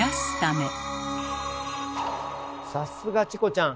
さすがチコちゃん！